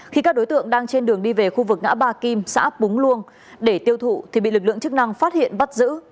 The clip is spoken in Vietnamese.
khi các đối tượng đang trên đường đi về khu vực ngã ba kim xã búng luông để tiêu thụ thì bị lực lượng chức năng phát hiện bắt giữ